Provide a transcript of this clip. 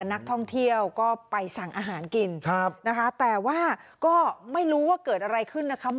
นักท่องเที่ยวก็ไปสั่งอาหารกินครับนะคะแต่ว่าก็ไม่รู้ว่าเกิดอะไรขึ้นนะคะ